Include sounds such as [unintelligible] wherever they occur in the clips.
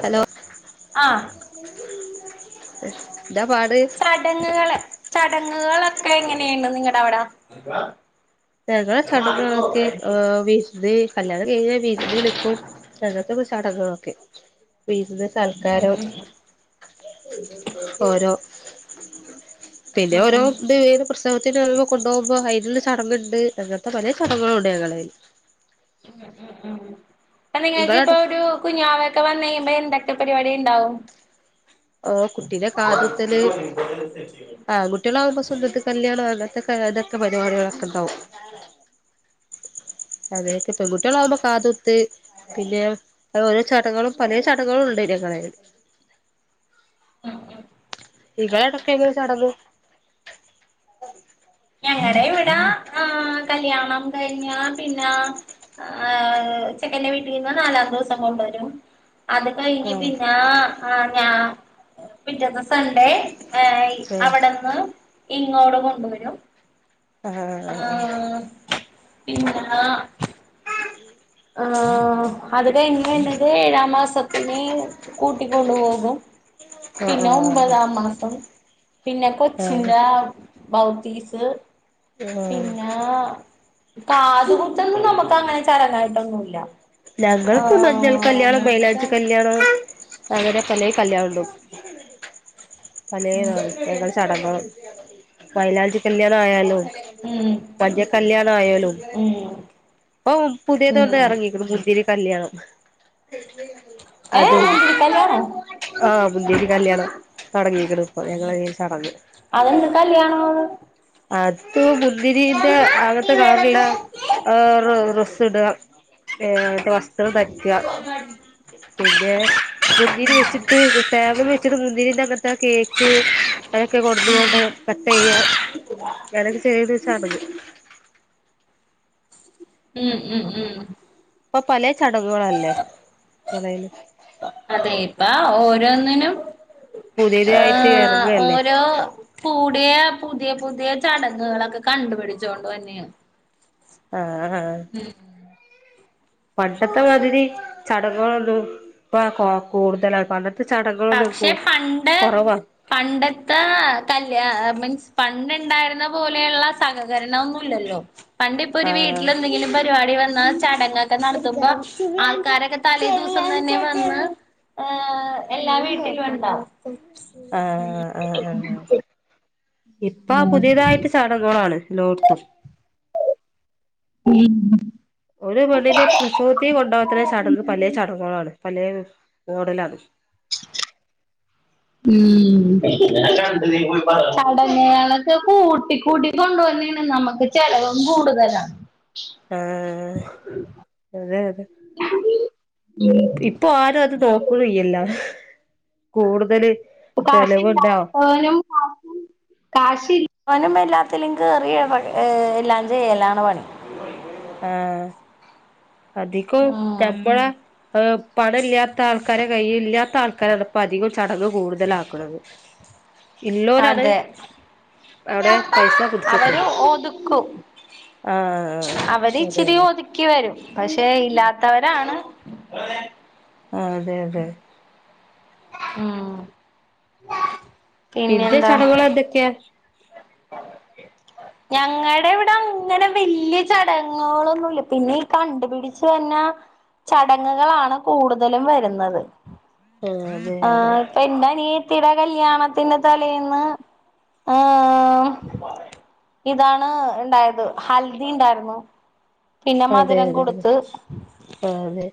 Hello ആഹ് എന്താ പാട് ചടങ്ങ്കള് ചടങ്ങുകളൊക്കെ എങ്ങനെയാണ് നിങ്ങടെ അവ്ടെ ഞങ്ങള ചടങ്ങുകളൊക്കെ ഓ വിരുന്ന് കല്യാണം കഴിഞ്ഞാൽ വിരുന്ന് വിളിക്കും അങ്ങനെത്തെ ഒക്കെ ചടങ്ങുകളൊക്കെ വിര്ന്ന് സൽക്കാരം ഉം ഓരോ പിന്നെ ഉം ഓരോ ഉം ഉം ഇത് ഏത് പ്രശ് സവത്തിന് വരുമ്പോ കൊണ്ടുപോവുമ്പോ അതിനുള്ള ചടങ്ങ്ണ്ട് അങ്ങനത്ത പലേ ചടങ്ങുകളും ഒണ്ട് ഞങ്ങളേല് ഉം ഉം ഉം ഇപ്പൊ നിങ്ങക്ക് ഇപ്പ നിങ്ങളട ഒരു കുഞ്ഞാവക്കെ വന്ന് കഴിയമ്പം എന്തൊക്കെ പരിപാടി ഇണ്ടാവും ഓഹ് കുട്ടീന്റെ കാതുകുത്തല് ആണ് കു കുട്ട്യേളാവുമ്പ സുന്നത്ത് കല്യാണം അങ്ങനത്തെക്കെ അതൊക്ക പരിപാട്യളോക്കെ ഇണ്ടാവും അതേക്കെ പെൺകുട്ടികളാകുമ്പ കാതു കുത്ത് പിന്നെ അത് ഓരോ ചടങ്ങേളും പലേ ചടങ്ങേളും ഉണ്ട് ഞങ്ങളേല് ഉം ഉം ഇങ്ങളെ അവ്ടെ ഒക്കെ എങ്ങനെ ചടങ്ങ് ഞങ്ങടെ ഇവിടാ ആഹ് കല്യാണം കഴിഞ്ഞാ പിന്നാ ആഹ് ചെക്കൻ്റെ വീട്ടീന്ന് നാലാം ദിവസം കൊണ്ടുവരും അത് കഴിഞ്ഞ് ആഹ് പിന്നാ ആഹ് ഞാ പിറ്റെത്തെ സൺഡേ ഏഹ് ഇ ഉം അവിടെന്ന് ഇങ്ങോട് കൊണ്ടുവരും ആഹ് ആഹ് പിന്നാ ആഹ് അത് കഴിഞ്ഞ് വരണത് ഏഴാം മാസത്തിനെ കൂട്ടിക്കൊണ്ടുപോകും പിന്ന ആഹ് അതെ ഒമ്പതാം മാസം പിന്നെ ആഹ് കൊച്ചിന്റാ ബൗതീസ് ആഹ് പിന്നാ കാതു കുത്തൊന്നും നമ്മക്ക് അങ്ങനെ ചടങ്ങായിട്ടൊന്നും ഇല്ല ഞങ്ങൾക്ക് മഞ്ഞൾ കല്യാണം മൈലാഞ്ചി കല്യാണം അങ്ങനെ പലേ കല്യാണം ഉണ്ടും ഉം പലേതാണ് ഞങ്ങൾ ചടങ്ങേള് മൈലാഞ്ചി കല്യാണം ആയാലും ഉം മഞ്ഞ കല്യാണം ആയാലും ഉം ഇപ്പം പുതിയതൊന്ന് ഉം എറങ്ങീക്ക്‌ണ് മുന്തിരി കല്യാണം ഏഹ് അതും മുന്തിരി കല്യാണോ ആഹ് മുന്തിരി കല്യാണം തൊടങ്ങീക്ക്‌ണ് ഇപ്പൊ ഞങ്ങളെ ഈ ചടങ്ങ് അതെന്ത് കല്യാണ അത് അത് മുന്തിരീൻ്റെ അങ്ങത്തെ കളറിളള ആഹ് റുസ്സ് സ്സ്ട് ഏഹ് വസ്ത്രം ധരിക്കാ പിന്നെ മുന്തിരി വെച്ചിട്ട് ടേബ്ള്മ്മേ ച്ച്ട്ട് മുന്തിരീന്റെ അങ്ങനെത്തെ കേക്ക് അതൊക്കെ കൊടുന്ന്കാണ്ട് കട്ടെയ്യാം ഞാനത് ചെയ്ത് വെച്ചാ മതി ഉം ഉം ഉം ഇപ്പം പലേ ചടങ്ങുകളല്ലേ മൊളേല് അതെ ഇപ്പ ഓരോന്നിനും പുതിയതായിട്ട് ആഹ് ഇറങ്ങല്ലേ ഓരോ കൂടിയ പുതിയ പുതിയ ചടങ്ങുകളൊക്കെ കണ്ടുപിടിച്ചു കൊണ്ട് വന്നെയാണ് ആഹ് ആഹ് ഉം പണ്ടത്തെ മാതിരി ചടങ്ങുകളൊന്നും ഇപ്പോ കൂടുതലായി പണ്ടത്തെ ത്തെ ചടങ്ങ്കളൊന്നും പക്ഷെ പണ്ട് കൊറവാ പണ്ടത്തെ കല്ല്യ മീൻസ് പണ്ട് ഇണ്ടായിരുന്ന പോലെ ഇള്ള സഹ ഉപകരണൊന്നുല്ലല്ലോ പണ്ട് ഇപ്പൊ ഒരു ആഹ് വീട്ടിൽ എന്തെങ്കിലും പരിപാടി വന്നാ ചടങ്ങൊക്കെ നടത്തുമ്പ ആൾക്കാരൊക്കെ തലേ ദിവസം തന്നെ വന്ന് ഏഹ് എല്ലാ വീട്ടിലും ഉണ്ടോ? [inaudible] ആഹ് ആഹ് ആഹ് ഇപ്പ പുതിയതായിട്ട് ചടങ്ങോളാണ് ലോർത്തും ഉം ഒരു പെണ്ണിന്റെ പ്രസവത്തി കൊണ്ടാവാ ത്രേ ചാടങ്ങ് പലേ ചാടങ്ങുകളാണ് പലേ മോഡലാണ് [unintelligible] ഉം ചടങ്ങളൊക്കെ കൂട്ടി കൂട്ടി കൊണ്ടുവന്നാണ് നമ്മുക്ക് ചടങ്ങും കൂടുതല ആഹ് അതെ അതെ ഉം ഇപ്പൊ ആരും അത് നോക്കണില്ലല്ലോ കൂടുതല് പ്പ ചെലവുണ്ടാവും കാശില്ലത്താനും കാ കാശി ഇല്ലാനും എല്ലാത്തിലും കേറിയാണ് ഏ എല്ലാം ചെയ്യലാണ് പണി ആഹ് അധികം ഉം. ഉക്കമ്പള ഹ് പണ ഇല്ലാത്ത ആൾക്കാരെ കയ് ഇല്ലാത്ത ആൾക്കാരാണ് ഇപ്പ അധികം ചടങ്ങ് കൂടുതലാക്കണത് ഇല്ലോനാണ് അതെ അവിടെ പൈസ അവര് കുടിച്ചിട്ടുണ്ട് ഒതുക്കും ആഹ് അതെതെ ക്കിവരും പക്ഷെ ഇല്ലാത്തവരാണ് ആ അതെ അതെ ഉം പിന്നെ എന്താ ന്തെക്കെയ് [inaudible] ഞങ്ങളുടെ ഇവിടെ അങ്ങനെ വല്യ ചടങ്ങുകളൊന്നുവില്ല പിന്നെ കണ്ടുപിടിച്ച് വന്നാ ചടങ്ങുകളാണ് കൂടുതലും വരുന്നത് ആ അതെ അതെ എൻ്റ അനിയത്തീടെ കല്യാണത്തിന്റെ തലേന്ന് ആഹ് ഉം ഇതാണ് ഉണ്ടായത് ഹൽദി ഉണ്ടായിരുന്നു പിന്നെ അതെ മധുരം അതെ അതെ കൊടുത്ത് ആഹ് അതെ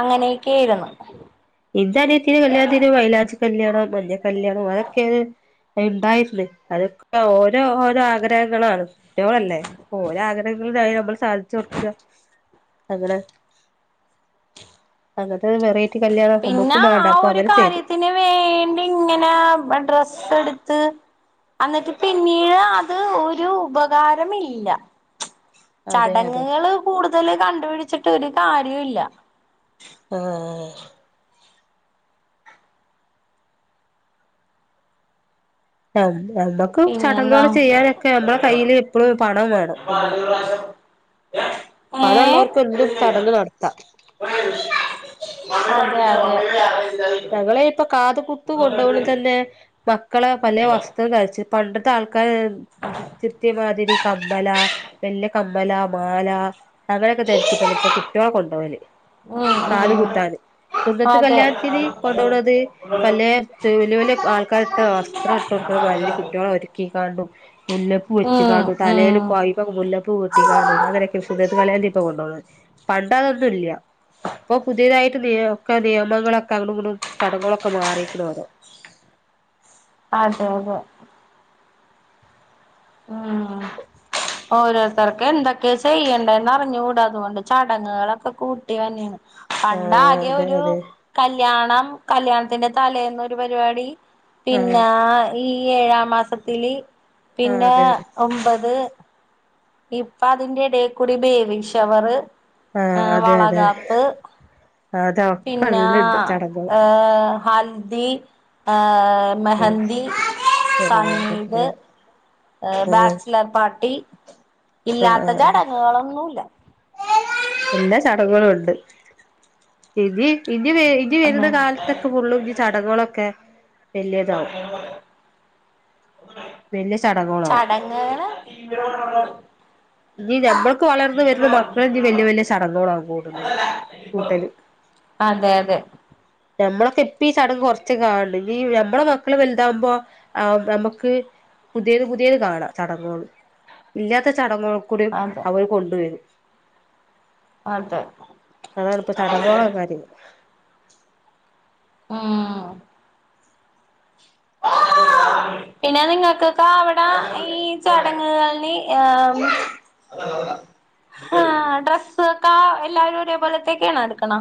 അങ്ങനെയൊക്കൊയിരുന്നു എൻ്റെ അനിയത്തിടെ കല്യാണത്തിന് മൈലാഞ്ചി കല്യാണം മഞ്ഞ കല്യാണം അതൊക്കെയാണ് ഇണ്ടായിരുന്നു അതൊക്കെ ഓരോ ഓരോ ആഗ്രഹങ്ങളാണ് റ്റിയോളല്ലേ പോലെ ആഗ്രഹങ്ങൾ സഹിതം നമ്മള് സാധിച്ചു കൊടുക്കുക അങ്ങനെ അങ്ങനത്തെ വെറൈറ്റി കല്യാണം നമ്മക്കും മാണ്ട അപ്പ അങ്ങനെ ചെയ്തു ത്തിന് വേണ്ടി ഇങ്ങനെ ഡ്രസ്സ് എടുത്ത് അന്നിട്ട് പിന്നീട് അത് ഒരു ഉപകാരം ഇല്ല അതെ അതെ ചടങ്ങുകള് കൂടുതല് കണ്ടുപിടിച്ചിട്ട് ഒരു കാര്യോ ഇല്ല ആഹ് കല്യാണം ക്കും പിന്നെന്താ ചടങ്ങുകള് ചെയ്യാനൊക്കെ നമ്മളെ കയ്ൽ എപ്പോഴും പണം വേണം ഉം പണം പണംള്ളവർക്ക് എന്തും ചടങ്ങ് നടത്താം പണ ഒക്കെ [inaudible] ഞങ്ങള് ഇപ്പൊ കാത് കുത്ത് കൊണ്ടോവണതന്നെ മക്കളെ വലേ വസ്ത്രം ധരിച്ചി പണ്ടത്തെ ആൾക്കാര് ദൃത്യത്തിമാതിരി കമ്മല വല്ല്യ കമ് കമ്മല മാല അങ്ങനെയൊക്കെ ധരിച്ചിട്ടാണ് ഇപ്പൊ കുട്ടികളെ കൊണ്ടോകല് കാത് കുത്താന് സുന്നത്ത് അതെ കല്യാണത്തിന് അതെ കൊണ്ടോണത് പലേ വല്യ വല്യ ആൾക്കാരിട്ട വസ്ത്രം ഇട്ട് കൊടുണം വല്യ കുട്ടികളാ അവര് ക്കി കാണ്ടു മുല്ലപ്പൂ ഉം വെച്ച്ക്കാണ്ടു ഉം അതെ ഉം തലേല് ഉം ഇപ്പൊ മുല്ലപ്പ് കൂട്ടികാണൂ അങ്ങനൊക്കെ സുന്നത്ത്കല്യാണത്തിന് ഇപ്പൊ കൊണ്ടോണത് പണ്ട് അതൊന്നും ഇല്ല. ഇപ്പൊ പുതിയതായിട്ട് നിയ ഒക്കെ നിയമങ്ങളൊക്കെ അങ്ങടുങ്ങടു ഒക്കെ ചടങ്ങുകളൊക്കെ മാറിരിക്കണ് അവ്ടെ. അതെ അതെ. ആഹ് ഓരോരുത്തർക്ക് എന്തൊക്കെയ ചെയ്യണ്ടന്ന് അറിഞ്ഞുട അതുകൊണ്ട് ചടങ്ങുകളൊക്കെ കൂട്ടി തന്നെയാണ്. ആഹ് പണ്ടാകെ അതെ ഒരു അതെ കല്യാണം കല്യാണത്തിന്റെ തലേന്നൊരു പരിപാടി ആഹ് പിന്നാ ഈ ഏഴാം മാസത്തില് ആഹ് പിന്നെ അതെ അതെ ഒമ്പത്. ഇപ്പ അതിന്റെ ഇടയിക്കൂടി ബേബി ഷവർ ആ ആഹ് അതെ അതെ വളകാപ്പ്. അതൊക്കെ പിന്നാ എല്ലണ്ട് ചടങ്ങുകള് ഏഹ് ഹൽദി ഏ ആഹ് മെഹന്ന്ദി ആഹ് അതെ സങ്കിദ്. അതെ ഏ ആഹ് ബാച്ചിലർ പാർട്ടി ആഹ് ഇല്ലാത്ത ആഹ് ചടങ്ങുകളൊന്നുല്ല. എല്ലാ ചടങ്ങുകളും ഉണ്ട് ഇനി ഇനി വെ ഇനി വെരുന്ന കാലത്തൊക്കെ ഫുള്ളും ഇനി ചടങ്ങളൊക്കെ വല്യതാവും വലിയ ചടങ്ങോളാവും. ഞങ്ങളെ ഇനി ഞമ്മൾക്ക് വളർന്ന് വരുന്ന മക്കളിനി വല്യ വല്യ ചടങ്ങുകളാ കുടുന്നത് കൂട്ടല് അതെ അതെ. ഞമ്മളൊക്കെ ഇപ്പ ഈ ചടങ്ങ് കൊറച്ച് കാണണ്ട് ഇനി ഞമ്മടെ മക്കള് വലുതാവുമ്പോ ആ നമുക്ക് പുതിയത് പുതിയത് കാണാ ചടങ്ങുകൾ ഇല്ലാത്ത ചടങ്ങോള് കുടി അതെ അവര് കൊണ്ടുവരും. അതെ അതാണ് ഇപ്പ ചടങ്ങുള്ള കാര്യങ്ങള് ആഹ് പിന്നെ നിങ്ങക്കൊക്കെ അവിടെ ഈ ചടങ്ങുകളി ആം ആ ഡ്രസ്സ് ഒകെ എല്ലാവരും ഒരേ പോലത്തേക്കെയണോ എടുക്കണെ?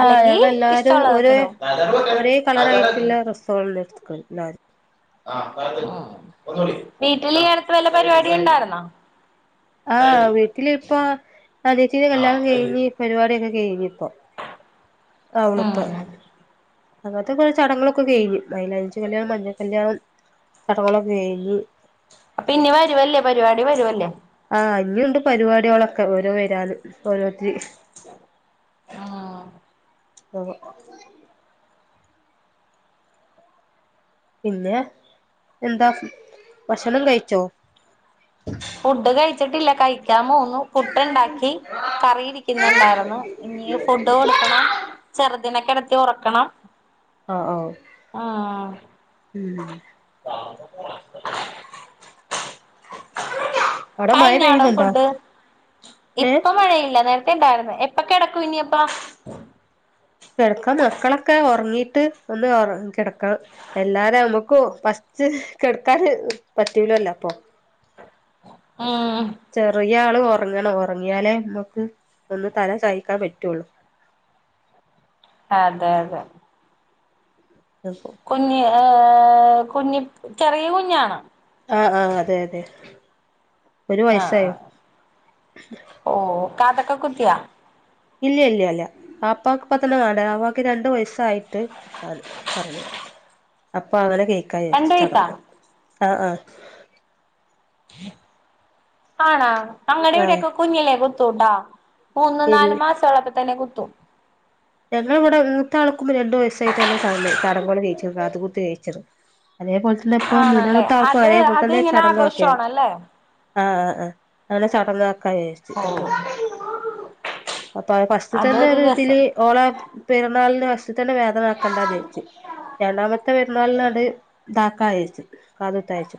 ആ ഞങ്ങൾ എല്ലാരും ഇഷ്ടള്ളതൊക്കെ ഒരേ ഇടോ? ഡ്രസ്സ്‌കൾ എട്ത്ക് എല്ലാരും വീട്ടില് ഈയടുത്ത് വല്ല പരിപാടി ഇണ്ടാര്ന്ന? ആ വീട്ടില് ഇപ്പൊ അനിയത്തിടെ ആഹ് കല്യാണം കഴിഞ്ഞു കഴിഞ്ഞ് പരിപാടിയൊക്കെ കഴിഞ്ഞ് ഇപ്പൊ. അവളിപ്പൊ ഉം അങ്ങനത്തെക്കെ ചടങ്ങൊക്കെ കഴിഞ്ഞു മൈലാഞ്ചി കല്യാണം മഞ്ഞകല്യാണം. ചടങ്ങളൊക്കെ കയിഞ്ഞ്. ആപ്പിന്നി വരുല്ലേ പരിപാടി വരുവല്ലേ? ആ ഇനിയൂണ്ട് പരിപാടികളൊക്കെ ഓരോ വരാനും ഓരോത്തിരി. ആഹ് ആഹ് ഓഹോ [inaudible] പിന്നെ എന്താ ഭക്ഷണം കഴിച്ചോ? ഫുഡ് കഴിച്ചിട്ടില്ല കഴിക്കാൻ പോന്നു പുട്ട്ണ്ടാക്കി. കറിയിരിക്കുന്നുണ്ടാരുന്നു ഇനി ഫു ഡ് കൊടുക്കണം ചെറുദിനെ കെടത്തി ഒറക്കണം. ആഹ് ആഹ് ഉം ഉം അവിടെ മഴ കഴിഞ്ഞാടെ പെയ്യുന്നുണ്ടോ ഫുഡ് ഏഹ് ഇപ്പ മഴയില്ല നേരത്തെ ഇണ്ടായിരുന്ന് എപ്പൊക്കെടക്കും ഇനിയപ്പ കെടക്കാൻ മക്കളൊക്കെ ഒറങ്ങിട്ട് ഒന്ന് ഒറ കിടക്കണം എല്ലാതെ നമുക്കും ഫസ്റ്റ് കെടുക്കാന് പറ്റൂലല്ലോ അപ്പൊ. ആഹ് ചെറിയ ആള് ഒറങ്ങണം ഒറങ്ങിയാലേ നമ്മുക്ക് ഒന്ന് തല ചയ്ക്കാൻ പറ്റുള്ളു അതെ അതെ [unintelligible] കുഞ്ഞ് ഏഹ് കുഞ്ഞി ചെറിയ കുഞ്ഞാണോ ആഹ് ആഹ് അതെ അതെ ഒരു ആഹ് വയസ്സായോ ആഹ് ഓ ഒ കാതക്ക കുതിയ ഇല്ല ഇല്ല അല്ല ആപ്പാക്ക് ക്കിപ്പത്തന്ന വാണ്ട ആപ്പക്ക് രണ്ടു വയസ്സായിട്ട് കുത്താണ് പറഞ്ഞു അപ്പൊ അങ്ങനെ രണ്ട് കേക്കാവിചാരിച്ചു വയസാ ചടങ്ങു ആഹ് ആഹ് ആണാ അങ്ങടെ ആഹ് ഇവിടൊക്കെ കുഞ്ഞിലേ കുത്തുട്ടാ. മൂന്നു നാല് ഇല്ല മാസോളപ്പ തന്നെ കുത്തും. ഞങ്ങള് വിടെ മൂത്ത ആൾക്കും രണ്ടുയസ്സായിട്ടന്നെ ചട ചടങ്ങുകൾ കഴിച്ചി കാ ത് കുത്ത് കഴിച്ചത്. അതേപോലെ തന്നെ ഇപ്പ ആണല്ലേ മൂന്നാമത്തെ ആൾക്കും അത് അതേപോലെ അത് തന്നെ ഇങ്ങനെ ചടങ്ങൊക്കെ. ആഹ് ആഘോഷമാണല്ലേ ആ ആ അങ്ങനെ ചടങ്ങാക്ക [unintelligible] ച്ച് ഓ അപ്പൊ അപ്പൊ ഫസ്റ്റ് തന്നെ അതൊരു ഒരു രസം ഇതില്. ഓള പെറന്നാളിന്റെ വശ്തന്ന വേദനക്കണ്ട ജരിച്ച്. രണ്ടാമത്തെ പെരുന്നാളിനത് ഇതാക്കജയിച്ച്. കാതുത്തായിച്ച്.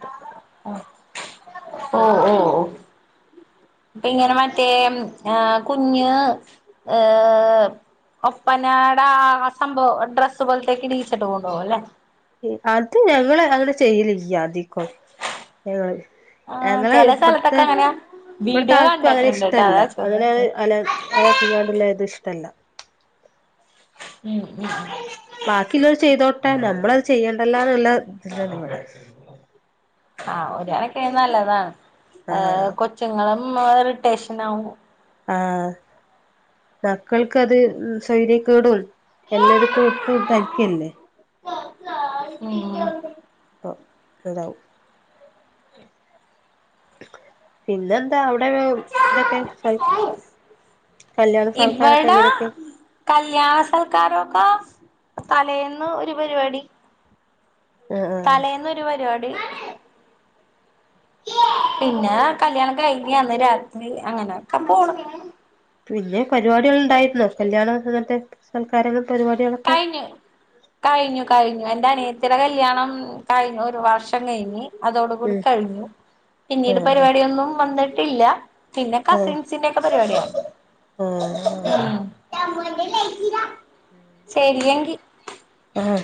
ആ, ഓ, ഓ, ഓ ഇപ്പങ്ങനെ മറ്റേ ആ കുഞ്ഞ് ഏ ഒപ്പനാട ആ സംഭവം ഡ്രസ്സ് പോലത്തേക്ക് ഇടിച്ചിട്ട് കൊണ്ടോവും അല്ലെ. അത് ഞങ്ങള് അങ്ങനെ ചെയ്യലില്ല്യ അദികോം. ഞങ്ങള്, ആ ഞങ്ങളെ ചെല ഇപ്പത്തെ സ്ഥലത്തൊക്കെ അങ്ങനെ ഇവിടത്തെ വീഡിയോ ആൾക്കും അങ്ങനെ കണ്ടിട്ടുണ്ട് ട്ടോ ഇഷ്ടല്ല അതാ ചോ അങ്ങനെ അല ആക്കികാണ്ടുള്ള ത് ഇഷ്ടല്ല. ഉം, ഉ ബാക്കിയുള്ളോർ ചെയ്തോട്ടെ. നമ്മളത് ചെയ്യേണ്ടല്ലന്നുള്ള ഇതിലാണ് ഇവിടെ. ആഹ് ഒരണക്കെ നല്ലതാണ്. ഏ ആഹ് കൊച്ചുങ്ങളും ഇറിട്ടേഷനാവും. ആഹ്. മക്കൾക്ക് അത് സൊയിര്യകേടും എല്ലത് കുട്ടി തയ്ക്കല്ലേ. ഉം ഇതാവും. പിന്നെന്താ അവ് ഇടെ ഇതൊക്കെ കല്യാണ സ ആൾക്കാരൊക്കെ ഇവടെ ഇങ്ങരൊക്കെ കല്യാണ സൽക്കാരൊക്ക തലേന്ന് ഒര് പരിപാടി. ആ ആഹ് തലേന്ന് ഒര് പരിപാടി. പിന്നെ കല്യാണം കഴിഞ്ഞാ അന്ന് രാത്രി അങ്ങനെയൊക്കെ പോണ്‌ പിന്നെ പരിപാടികൾണ്ടായിരുന്നു. കല്യാണം അങ്ങനത്തെ സൽക്കാരങ്ങ പരിപാടികളൊക്കെ. കഴിഞ്ഞു, കഴിഞ്ഞു ക, ഴിഞ്ഞു എന്റെ അനിയത്തിര കല്യാണം കഴിഞ്ഞു ഒരു വർഷം കഴിഞ്ഞ്. അതോട് കൂടി ഉം കഴിഞ്ഞു പിന്നീട് ആഹ് പരിപാടിയൊന്നും വന്നിട്ടില്ല. പിന്നെ ആഹ് കസിൻസ് പിന്നക്കെ പരിപാടിയ. ആഹ് ശരിഎങ്കി. ആഹ.